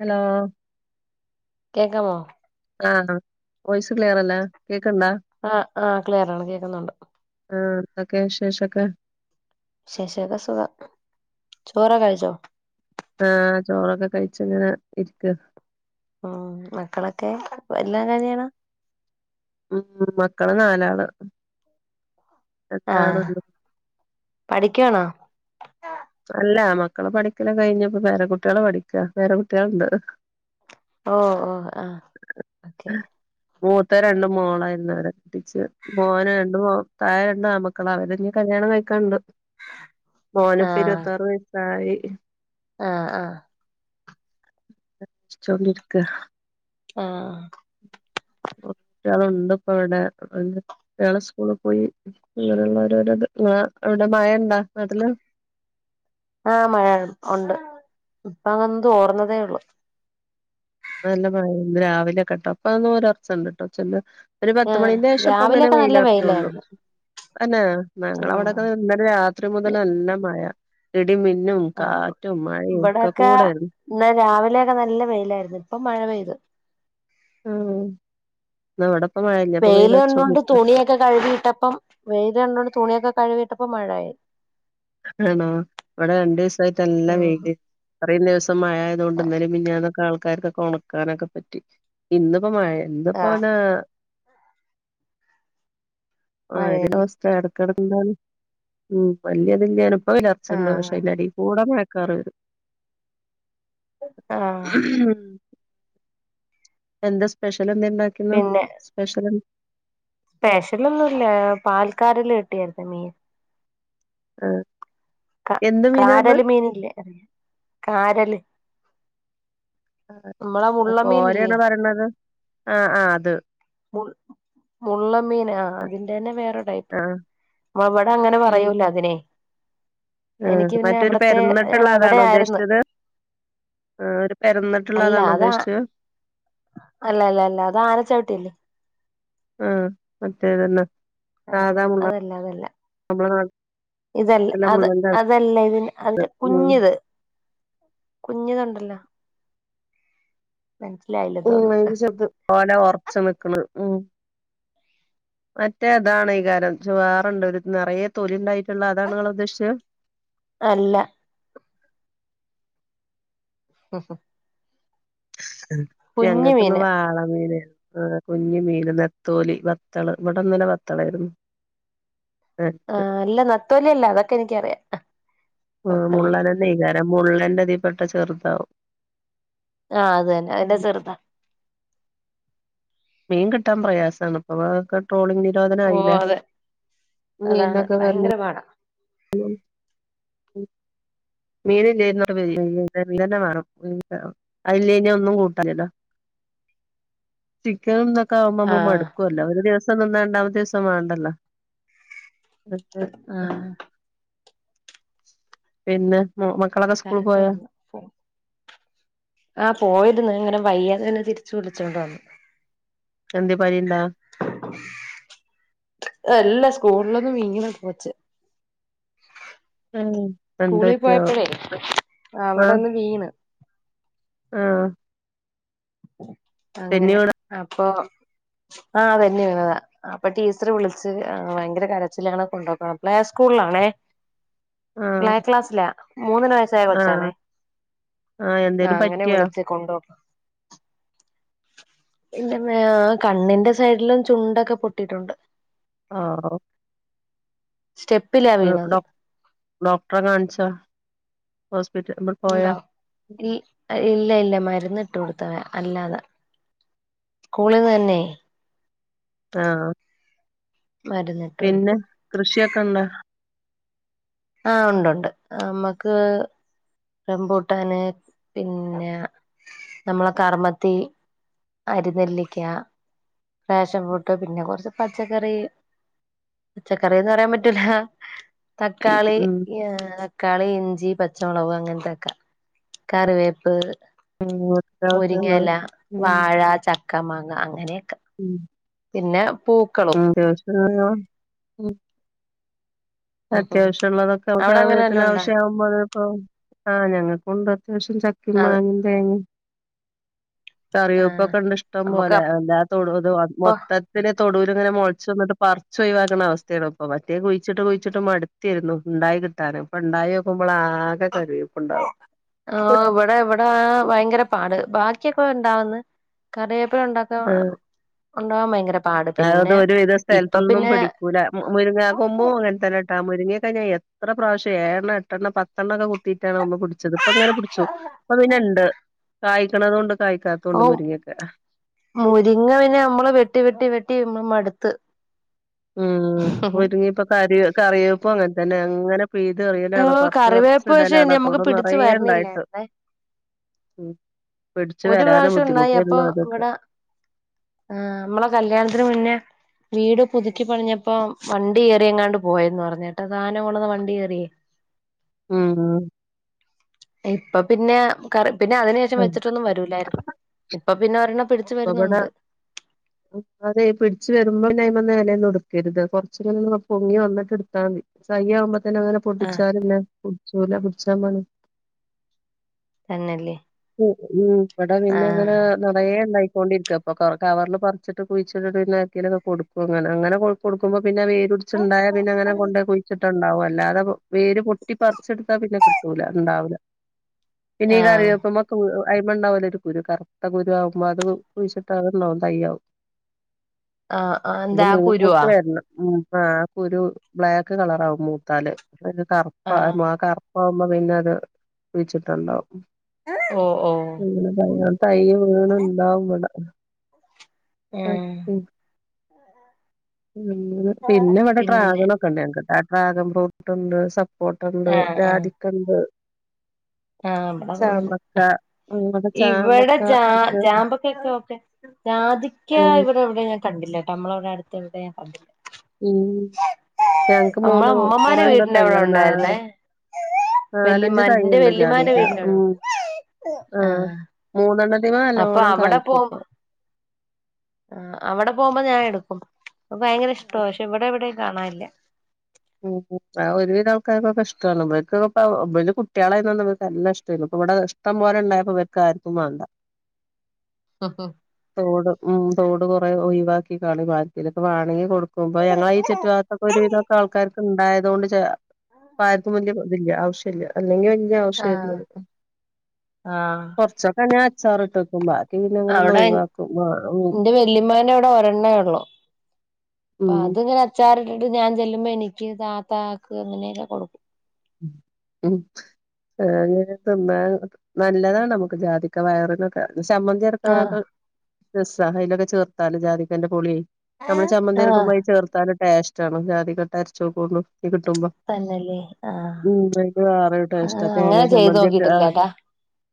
Hello കേക്കാമോ ആഹ് voice ക്ലിയറല്ലേ കേക്ക്ണ്ടാ ആഹ് ആഹ് ക്ലിയറാണ് കേക്കുന്നൊണ്ട് ആഹ് എന്തൊക്കേ വിശേഷൊക്കെ വിശേഷൊക്കെ സുഖം ചോറൊക്കെ കഴിച്ചോ ആഹ് ചോറൊക്കെ കഴിച്ച്ങ്ങനെ ഇരിക്ക ഉം മക്കളൊക്കേ വല്യോൻ എന്താ ചെയ്യ്ണ് ഉം ഉം മക്കള് നാലാള് എന്താണ് ആഹ് ഒന്ന്? പഠിക്കുവാണോ അല്ലാ മക്കള് പഠിക്കല് കഴിഞ്ഞിപ്പം പേരക്കുട്ടികളെ പഠിക്ക പേരക്കുട്ടികള്ണ്ട് ഓഹ് ഓഹ് ആഹ് ഓക്കെ മൂത്തത് രണ്ടും മോളായിരുന്നവരെ കെട്ടിച്ച് മോനാ രണ്ട് മോ താഴെ രണ്ടാമ്മക്കളാ അവരിനി കല്യാണം കഴിക്കാണ്ട് ആഹ് ഇപ്പിരുവത്താറ് വയസായി ആഹ് ആഹ് ആലോചിച്ചോണ്ടിരിക്ക ആഹ് കുട്ടികള്ണ്ട്പ്പവടെ എന്ത കുട്ടികള് സ്കൂള് പോയി ഇങ്ങനുള്ളോരോരോത് ഇങ്ങള അവിടെ മഴ ഇണ്ടാ നാട്ടില് ആഹ് മഴ ഒണ്ട് ഇപ്പം അങ്ങൊന്ന് തോർന്നതേ ഒള്ളു ഇന്ന് നല്ല മഴേ ഇന്ന് രാവിലെയൊക്കെട്ടോ ഇപ്പം ഒന്ന് ഒലർച്ചണ്ട്ട്ടോ ഉച്ചൻ്റെ ഒരു പത്ത് ആഹ് മണിൻ്റേഷം ഇപ്പങ്ങനെ രാവിലെയൊക്കെ നല്ല വെയിലാർച്ച് വന്നു വെയിലായിരുന്നു തന്നേ ആഹ് ഞങ്ങളവിടൊക്കെ ഇന്നലെ രാത്രി മുതല് നല്ല മഴ ഇടിമിന്നും ആഹ് കാറ്റും മഴയും ഒക്കെ ഇവിടെക്കെ കൂടേര്ന്നു ഇന്ന് രാവിലെയൊക്കെ നല്ല വെയിലായിരുന്നു ഇപ്പം മഴ പെയ്തു ഉം ഇന്നിവടപ്പം മഴയില്ല്യ ഇപ്പം വെയിലൊറച്ചോണ്ടിരിക്ക ഒക്കെ കഴുകിയിട്ടപ്പം വെയില് കണ്ടോണ്ട് തുണിയൊക്കെ കഴുകിയിട്ടപ്പം മഴായി ആണോ ഇവടെ രണ്ടീസായിട്ടല്ല ഉം വെയില് ഇത്തറേം ദിവസം മഴായതു കൊണ്ട് ഇന്നലെം മിനിഞ്ഞാന്നൊക്ക ആൾക്കാര്ക്കൊക്ക ഒണക്കാനൊക്ക പറ്റി ഇന്നിപ്പോ മഴേ ആഹ് ഇന്നിപ്പോനാ മഴയല്ലേ മഴൻ്റവസ്ഥ എടക്കെടക്കെന്താണ് ഉം വല്ല്യതില്ല്യാനും ഇപ്പം വെയിലൊറച്ച്ണ്ട് പക്ഷെ ആഹ് അയിൻ്റെടേക്കൂടെ മഴക്കാറ് വരും ആഹ് [inaudible] എന്താ സ്പെഷ്യലെന്താ ഇണ്ടാക്കിന്ന് സ്പെഷ്യലെന്ത് സ്പെഷ്യലൊന്നുല്ലാ പാൽക്കാരല് കിട്ടിയാരുന്ന് മീൻ ആഹ് ക കാരല് മീനില്ലേ കാരല് ആഹ് നമ്മളെ അഹ് മുള്ളമീനില്ലേ കോരേന്നാ പറയണത് ആഹ് ആഹ് അത് മുൾ മുള്ളമ്മീനാ അതിന്റെയന്നെ വേറെ ടൈപ്പ് ആ ഇവടെ അങ്ങനെ പറയൂല അതിനേ ആഹ് മറ്റൊരു പരന്നിട്ട്ള്ള അതാണോ ആയിരുന്നു ഉദ്ദേശിച്ചത് ആഹ് ഒരു പരന്ന്ട്ടുള്ളാ അല്ല അതാണോ അതാ ഉദ്ദേശിച്ചത് അല്ല അല്ല അല്ല അതാനച്ചവിട്ടിയല്ലേ ആഹ് മറ്റേതന്നെ ആഹ് സാധാമുള്ള അതല്ല അതല്ല നമ്മളെ നാട്ട് ഇതല്ല അത് അതല്ല ഇതിൻ്റ അതിന്റെ ഉം കുഞ്ഞിത് കുഞ്ഞു കണ്ടല്ല. മൻസ്സിലായി. ഉം അയ്ല് ചെറ്ത് ഓല വെർച്ച് നിക്ക്ണ് ഉം മറ്റേ താണെയ്കാരം ച് വേറെണ്ടൊര് നെറയെ തൊലിണ്ടായ്ട്ട്ള്ള അതാണ് ങ്ങളുദ്ദേശിചെ? അല്ല. മ് ഹ് ഹ്. ഉം കുഞ്ഞു മീന ഞങ്ങക്ക്ന്ന് വാള മീനാ. ആഹ് കുഞ്ഞ് മീന് നത്തോലി വത്തള് ഇവടെന്നലെ വത്തളേര്ന്ന്. ആഹ് അല്ല നത്തോല്യല്ല അതൊക്കെനിക്കറിയാ. ആഹ് മുള്ളനന്നെയ്കാരം മുള്ളന്റെ തിപ്പെട്ട ചെറ്താവും. ആഹ് അതെന്നെ അയ്ന്റെ ചെറ്താ. മീൻ കിട്ടാൻ പ്രയാസാണ്. അപ ക്ക ട്രോളിങ് ഓ നിരോധനായീലെ അതെ അതാണ് മീൻനൊക്കെ വെൽ ഭയങ്കര പാടാ ഉം ഉം മീന്ല്ലേര്ന്നു അവടെ പെരീ [unintelligible] മീനന്നെ മാണം [unintelligible] അയ്ല്ലെഞ്ഞ ഒന്നും കൂട്ടാനില്ല. ചിക്കനും തൊക്കാവുമ്പമ്മക്ക് ആഹ് മട്ക്കൊല്ല ഒര് ദിവസ് സം തിന്നാ രണ്ടാമത്തീസംമാണ്ടല്ലോ. [unintelligible] ആഹ് പിന്നെ. മൊ മക്കളെ [unintelligible] കറണ്ട് വന്ന് ഫോൺ ആഹ് പോയിര്ന്നു ഇങ്ങനെ വയ്യാതെ പിന്നെ തിരിച്ചു വിളിച്ചോണ്ട് വന്ന്. അന്ത്യെ പനിണ്ടാ? അല്ല സ്കൂൾലൊന്ന് വീണ്ണ് കൊച്ച്. ഉം സ്കൂളീ പോയപ്പഴേ ആഹ് അവടൊന്ന് വീണ്. ആഹ് തെന്നി അങ്ങനെ വീണാ അപ്പൊ ആഹ് തെന്നി വിണതാ. അപ്പൊ ടീച്ചറ് വിളിച്ച് അഹ് വയങ്കര കരച്ചിലാണ് കൊണ്ടൊക്കാൻ. പ്ലേ സ്കൂൾളാണേ. പ്ലേ ആഹ് ക്ലാസ്സ്ല മൂന്ന് വയസ്സായ ആഹ് കൊച്ചാണേ. ആഹ് എന്തേലും അങ്ങനെ പറ്റിയോ വിളിച്ച് കൊണ്ടൊ ഇല്ല മ്മേ കണ്ണിന്റെ സൈഡ്ലും ചുണ്ടൊക്കെ പൊട്ടിട്ടുണ്ട്. ആഹ് സ്റ്റെ എവടെ ഡോക്ടറെ കാണിച്ചാ ഹോസ്പിറ്റ [unintelligible] ഇണ്ടോ? ഇ ഇല്ല ഇല്ല മര്ന്ന്ട്ട് കൊടുത്തവ അല്ലാത. സ്കൂളീന്ന ന്നെ. ആഹ് മര്ന്ന്. പിന്നെ കൃഷിയൊക്കണ്ട? ആഹ് ഉണ്ടുണ്ട്. അമ്മക്ക് റംപൂട്ടാന് പിന്നെ നമ്മളെ കർമ്മത്തി. അരിനെല്ലിക്ക. ഫാഷൻ ഫൂട്ട് പിന്നെ കൊർച്ച് പച്ചക്കറി പച്ചക്കറീന്ന് പറയാൻ പറ്റൂല. തക്കാളി ഉം ഏഹ് ക്കാളി, ഇഞ്ചി, പച്ചമുളക് അങ്ങൻത്തൊക്ക കറിവേപ്പ്. ഉം അത്യാവശ്യള്ളത് മുരിങ്ങയില ഉം വാഴ ചക്ക മാങ്ങ അങ്ങനെയൊക്ക. ഉം പിന്നെ പൂക്കളും. ആഹ് ഉം ഉം അത്യാവശ്യം ഉള്ളതൊക്കെ നമുക്ക് അവിടെ അങ്ങനെ സമയത്തിന് വല്ലോം ഉണ്ടാ ആവശ്യ ആവുമ്പ [unintelligible] ആഹ് ഞങ്ങക്കുണ്ട് അത്യാവശ്യം ചക്കിം അത് മാങ്ങിം തേങ്ങിം ആ കറിവേപ്പൊക്കെണ്ട് ഇഷ്ടം നമുക്ക് പോലെ അല്ലാതെ തൊടു ഇത് അപ്പൊ മൊത്തം പിന്നെ തൊടൂല് ഇങ്ങനെ മൊളച്ച് വന്നിട്ട് പറിച്ച് ഒഴിവാക്ക്ണ അവസ്ഥയാണിപ്പൊ മറ്റേത് കുഴിച്ചിട്ട് കുഴി ച്ചിട്ട് മടുത്തിരുന്നു ഇണ്ടായികിട്ടാന് ഇപ്പൊ ഇണ്ടായോക്കുമ്പളാകെ കരിവേപ്പ്ണ്ടാവാ ആഹ് ഇവടെ ഇവടെ ആഹ് വയങ്കര പാട് ബാക്കിയൊക്കെ ഇണ്ടാവന്ന് കറിവേപ്പില ഉണ്ടാ [unintelligible] ഉണ്ടാവാൻ ഭയങ്കരം അതായത് ഒരു വിധ സ്ഥലത്തൊന്നും പിടിക്കൂല മുരിങ്ങ കൊമ്പും അങ്ങനെ തന്നെട്ടാ മുരിങ്ങെക്കെ ഞാൻ എത്ര പ്രാവശ്യം ഏഴെണ്ണം എട്ടെണ്ണ പ ത്തൊണ്ണൊക്കെ കുത്തിയിട്ടാണ് ഒന്ന് പുടിച്ചത് ഇപ്പങ്ങനെ പിടിച്ചു ഇപ്പൊ പിന്നെണ്ട് കായ്ക്കണതൊണ്ട് ഓ കായ്ക്കാത്തതുണ്ട് മുരിങ്ങെക്കെ മുരിങ്ങ അയ്ന് നമ്മള് വെട്ടി വെട്ടി വെട്ടി നമ്മള് മടുത്ത് ഉം മുരിങ്ങിം ഇപ്പ കറി കറിവേപ്പും അങ്ങൻതന്നെ അങ്ങനെ പിഴുത് ഓ എറിയലാണ് പറിച്ച് പറിച്ച് കറിവേപ്പ് പക്ഷെ ഇടലാണ് ആ നമുക്ക് തൊടു പിടിച്ചു നിറയെ ഇണ്ടായിട്ട് വരണില്ലായിരുന്നേ ഉം പിടിച്ചു ഒരു വരാനും പ്രാവശ്യം ഒണ്ടായി അപ്പൊ ബുദ്ധിമുട്ടായിരുന്നു ആദ്യൊക്കെ ഇവടെ ആഹ് നമ്മളെ കല്യാണത്തിന് മുന്നേ വീട് പുതുക്കി പണിഞ്ഞപ്പൊ വണ്ടി കേറിയങ്ങാണ്ട് പോയന്ന് പറഞ്ഞട്ടാ സധാനം കൊണ്ട്ന്ന വണ്ടി കേറിയേ ഉം ആഹ് ഇപ്പ പിന്നെ കറി പിന്നെ അതിന് ശേഷം വെച്ചിട്ടൊന്നും വരൂലായിരുന്നു ഇപ്പൊ പിന്നെ ഒരെണ്ണം പിടിച്ചു ഇപ്പ ഇബടെ വരുന്നുണ്ട് അതെയ് പിടിച്ചു വരുമ്പോ പിന്നെ അയ്മന്ന് എലെന്നും ഇട്ക്കരുത്. കൊറച്ചുങ്ങനെ പൊങ്ങി വന്നിട്ട് എട്ത്താൽ മതി [unintelligible] ആവുമ്പോ തന്നെ ങ്ങനെ ആഹ് പൊട്ടിച്ചാ പിന്നെ പുടിച്ചൂല പുടിച്ചാ പണിയാ തെന്നല്ലേ ഉം ഉം ഇന്നട്ടാ പിന്നെ ഇങ്ങനെ നറയേ ഇണ്ടായി കൊണ്ടിരിക്ക ഇപ്പൊ കവ കവറില് പറിച്ചിട്ട് കുഴിച്ചിട്ട്ട്ട് പിണെ ആർക്കേലൊക്ക കൊടുക്കും അങ്ങനെ അങ്ങനെ കൊട് കൊടുക്കുമ്പോ പിന്നെ വേരുടിച്ചുണ്ടായ പിന്നെ അങ്ങനെ കൊണ്ടെയ് കുഴിച്ചിട്ട് ട്ടണ്ടാവും അല്ലാതെ വേര് പൊട്ടി പറിച്ചെടുത്താ പിന്നെ കിട്ടൂല ഇണ്ടാവില്ല പിന്നെ ഈ ആഹ് കറിവേപ്പ്മ്മക്കു അയ്മ്മണ്ടാവോലൊ ഒരു കുരു കറുത്ത കുരു ആവുമ്പോ അത് കുഴിച്ചിട്ടാ അതുണ്ടാവും തയ്യാവും ആഹ് ആഹ് അത് എന്താ ആ മൂപ്പുടിച്ച് കുരുവാ വരണം ഉം ആ കുരു ബ്ലാക്ക് കളറാവും മൂത്താല് [unintelligible] കറുപ്പ ആഹ് അയ്മ്മാ കറു പ്പാവുമ്പോ പിന്നെ അത് കുഴിച്ചിട്ടാണ്ടാവും ഓഹ് ഓഹ് പിന്നെന്താ [unintelligible] ഏഹ് ഉം പിന്നെ ഇവടെ പിന്നെ ട്രാഗൻ ഒക്കെണ്ട് ഞങ്ങക്ക് ആ ട്രാഗൻ ഫ്രൂട്ടുണ്ട് സ പ്പോട്ടണ്ട് ആഹ് ആഹ് ജാതിക്കണ്ട് ആഹ് ഇബഅതൊന്നും ചാമ്പക്ക ഇല്ല അങ്ങനത്തെ ഇവടെ ചാമ്പക്ക ജാ ഒക്കെ ജാമ്പ ക്കൊക്കെ ഓക്കെ ജാതിക്ക ഉം ഇവടെ എവടെ ഞാൻ കണ്ടില്ല ട്ടൊ മ്മളവടെ അടുത്ത് എവിടെ കണ്ടില്ല ഉം ഞങ്ങക്ക് മൂന്ന് നമ്മളെ ഉമ്മമാന്റെ കൊറേണ്ട് വീടിന്റെ അവിടെ ഉണ്ടായിരുന്നേ [unintelligible] നാലഞ്ചു വല്യമാന്റെ തയ്യുണ്ട് വല്യമാന്റെ ജാതിക്ക വീടിന്റെ അവിടെ ഉം ഉണ്ട് ആഹ് മൂന്നെണ്ണ്ത്തിമ്മെ അപ്പൊ നല്ലോണം അവിടെ കായ്ക്കൂ ഇപ്പൊ പോകുമ്പോ ആഹ് അവടെ പോകുമ്പോ ഞാൻ എടുക്കും. പ്പ ഭയങ്കര ഇഷ്ട പക്ഷെ ഇവടെ വിടെയും കാണാനില്ല ഉം ഉം ആഹ് ഒരുവിധ ആൾക്കാർകൊക്കെ ഇഷ്ട്ടാണ് ഇബൽക്കൊക്കെ പ്പ ഇബലു കുട്ടേളായതോണ്ട് ഇബൽക്കു നല്ല ഇഷ്ട്ടെയ്ന്നു. ഇപ്പവടെ ഷ്ടം ഷ്ടം പോലെ ണ്ടായപ്പോ വർക്കാർക്കും വേണ്ട ഹഹ തോട് ഉം തോട് കൊറെ ഒയിവാക്കി ക്കാണ്ട് ആർക്കേലൊക്കെ വാണങ്കി കൊടുക്കുമ്പോ ഞങ്ങളെ ചുറ്റു ഈ ഭാ അപ്പൊ ഒരുവിധൊക്കെ ആൾക്കാർക്ക് ണ്ടായതൊണ്ട് ചെ പ്പാർക്കും വല്ല്യേ ഇതില്ല ആവശ്യല്ല അല്ലെങ്കി വല്ല്യേ ആഹ് ആവശ്യായിരുന്നു. കൊറച്ചൊക്കെ ഞാൻ അച്ചാറി ഇട്ട് വെക്കും ബാ അവടെ ന്റെ വെല്ലിമാന്റവിടെ ഒരെണ്ണേ ഒള്ളു അപ്പൊ ഉം അത്ങ്ങനെ അച്ചാറിട്ടിട്ട് ഞാൻ ചെല്ലുമ്പോ എനിക്ക് താത്തക്ക് അങ്ങനെയൊക്കെ കൊടുക്കും ഉം ങ്ങന തിന്നാന് നല്ലതാണ് നമുക്ക് ജാതിക്ക വയറിനൊക്കെ ചമന്തി അ രക്കാനൊക്കെ ടെസ്റ്റാ അയിലൊക്കെ ചേർത്താല് ജാതിക്കന്റെ പുളി നമ്മള് ആഹ് ചമ്മന്തി ആഹ് അരക്കുമ്പോൾ അയില് ചേർത്താല് ടെസ്റ്റാണ് ജാതിക്കെട്ട് അരച്ചോക്കോണ്ടു ഇഞ്ഞ് കിട്ടുമ്പോ തന്നല്ലേ ആഹ് ഉം ഇത് വേറെ ഒരു ടെസ്റ്റാ അങ്ങനെ തേങ്ങാ ചെയ്ത് ചമ്മന്തി ഒക്കെ ആഹ് നോക്കിട്ടില്ലട്ടാ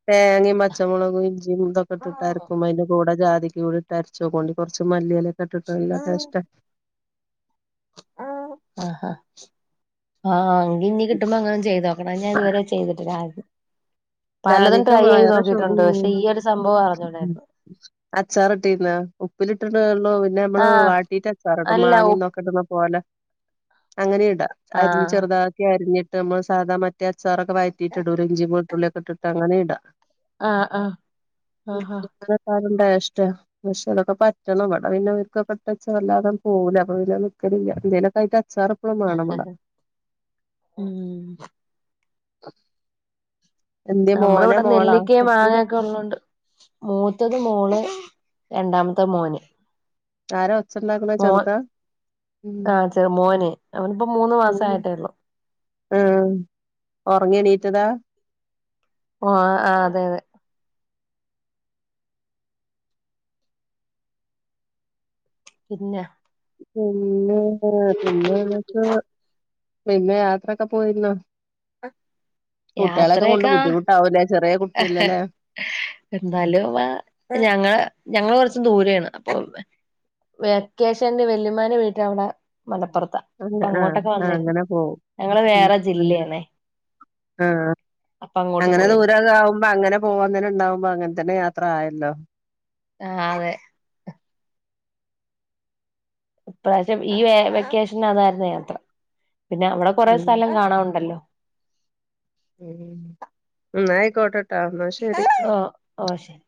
തേങ്ങയും പച്ചമുളകും ഇഞ്ചിയും ഇതൊക്ക ഇട്ട്ട്ട് അരക്കുമ്പോ അയിന്റെ കൂടെ ജാതിക്കേം കൂടി ഇട്ട് അരച്ചോക്കോണ്ടി കൊറച്ച് മല്ലിയലൊക്കെ ഇട്ടിട്ട് നല്ല ടെസ്റ്റാ ആഹ് ആഹ് ആഹ് ആഹ് ഇന്നി കിട്ടുമ്പോ ഇങ്ങനൊന്ന് ചെയ്ത് നോക്കണം ഞാൻ ഇതുവരെ ചെയ്തിട്ട്ല്ല ആരെതും പലതും ജാതിക്ക ട്രൈ ചെയ്ത് വയറ് ശു നോക്കിയിട്ടുണ്ട് പക്ഷെ ഈ ഒരു സംഭവം അറിഞ്ഞൂടായിരുന്നു അച്ചാറട്ടീന്നോ ഉപ്പിലിട്ടിതെഒള്ളൂ പിന്നെ നമ്മള് ആഹ് വാട്ടീട്ടച്ചാറിടും അല്ല ഉ മാങ്ങയും ന്നൊക്കെട്ണ പോലെ അങ്ങനീം ഇടാ അരിഞ് ആഹ് ചെറുതാക്കി അരിഞ്ഞിട്ട് നമ്മൾ സാധാ മറ്റേ അച്ചാറൊക്കെ വയറ്റീട്ട് ഇടൂലെ ഇഞ്ചി ട്ടിട്ട് അങ്ങനിം ഇടാ ആഹ് ആഹ് ആഹാ [unintelligible] ക്കാളും ടേസ്റ്റാ പക്ഷെ അതൊക്കെ പറ്റണം വടെ പിന്നെ അവർക്കൊക്കെ ട്ത്ത് വെച്ച വല്ലാതെ പോവൂല അപ്പോ പിന്നെ അത് നിക്കല്ല്ല എന്തേലൊക്കെ ആയിട്ട് അച്ചാറ് എപ്പളും വേണം ഇവ്ടെ ഉം [inaudible] എന്ത്യേ നമ്മള് മോനാ ഇവിടെ മോളാ നെല്ലിക്കയെ കുട്ടി മാങ്ങൊക്കെ ഉള്ളതൊണ്ട് മൂത്തത് മോള് രണ്ടാമത്തെ മോന് ആരാ ഒച്ചണ്ടാക്ക്ണെ മോ ചെറുതാ ഉം ആഹ് ചെറ് മോനെ അവനിപ്പ മൂന്ന് മാസം ആയിട്ടേള്ളു ആഹ് ഒറങ്ങിണീറ്റതാ ഓഹ് ആഹ് അതെ അതെ പിന്നെ പിന്നെന്തറിയോ പിന്നെ ങ്ങക്ക് പിന്നെ യാത്രയൊക്കെ പോയിരുന്നോ ആഹ് കുട്ടികളെയൊക്കെ കൊണ്ട് യാത്രയക്കെ ബുദ്ധിമുട്ടാവൂലേ ചെറിയ കുട്ടിയല്ലല്ലേ ഉം എന്നാലുംള്ള ഞങ്ങള് ഞങ്ങള് കൊറച്ചു ദൂരെയാണ് അപ്പൊ വെക്കേഷൻല് വെല്ലിമ്മാന്റെ വീട്ടില് അവിടെ മലപ്പൊറത്താ അപ്പൊ അങ്ങനെ ആഹ് അങ്ങോട്ടൊക്കെ ആഹ് വന്നെ അങ്ങനെ പോവും ഞങ്ങള് ഉം വേറെ അങ്ങനെ ജില്ലയാണ് ആഹ് അങ്ങോട്ട് അങ്ങനെ പോയിരുന്നു ദൂരൊകെ ആവുമ്പോ അങ്ങനെ പോവാൻന്നെണ്ടാവുമ്പോ അങ്ങനെ തന്നെ യാത്ര ആയല്ലോ ആഹ് അതെ ഇപ്രാവശ്യം ഈ വെ വെക്കേഷനതായിരുന്നു യാത്ര പിന്നെവിടെ കൊറേ ഉം സ്ഥലം കാണാണ്ടല്ലോ ഉ ന്നായി കോട്ടെ ഓ ഓ ശരി